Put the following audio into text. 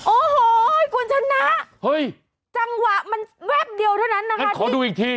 โอ้โหคุณชนะจังหวะมันแวบเดียวเท่านั้นนะคะขอดูอีกที